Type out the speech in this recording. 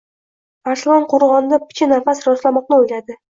Arslon qo‘rg‘onda picha nafas rostlamoqni o‘yladi.